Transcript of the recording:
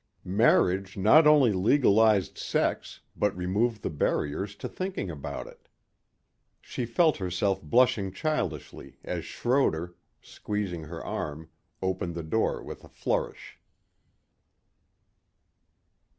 Marriage not only legalized sex but removed the barriers to thinking about it. She felt herself blushing childishly as Schroder, squeezing her arm, opened the door with a flourish.